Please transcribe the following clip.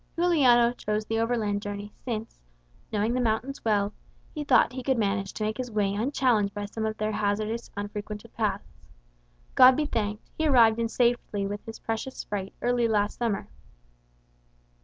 Juliano chose the overland journey, since, knowing the mountains well, he thought he could manage to make his way unchallenged by some of their hazardous, unfrequented paths. God be thanked, he arrived in safety with his precious freight early last summer."